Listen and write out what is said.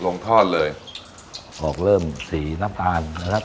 ลงทอดเลยออกเริ่มสีน้ำตาลนะครับ